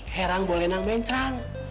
herang boleh menang mencang